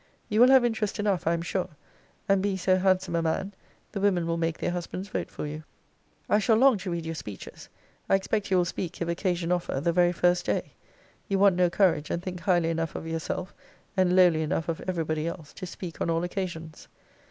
You will have interest enough, I am sure; and being so handsome a man, the women will make their husbands vote for you. I shall long to read your speeches. I expect you will speak, if occasion offer, the very first day. You want no courage, and think highly enough of yourself, and lowly enough of every body else, to speak on all occasions.